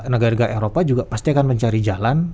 negara negara eropa juga pasti akan mencari jalan